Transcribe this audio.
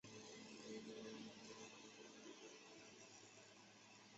巧家合欢为豆科合欢属下的一个种。